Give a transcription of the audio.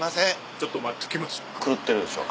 ちょっと待っときましょう。